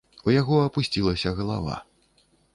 У яго апусцілася галава.